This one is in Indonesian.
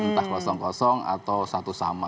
entah kosong kosong atau satu sama